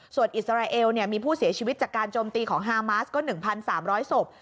ส่วนอิสราเอลมีผู้เสียชีวิตจากการโจมตีของฮามาสก็๑๓๐๐ศพ